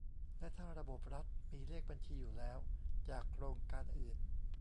และถ้าระบบรัฐมีเลขบัญชีอยู่แล้วจากโครงการอื่น